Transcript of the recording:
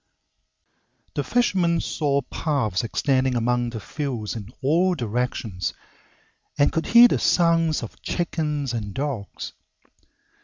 The fisherman saw paths extending among the fields in all directions, and could hear the sounds of chickens and dogs.